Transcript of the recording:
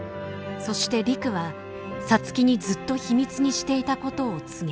そして陸は皐月にずっと秘密にしていたことを告げる。